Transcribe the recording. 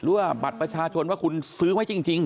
ว่าบัตรประชาชนว่าคุณซื้อไว้จริง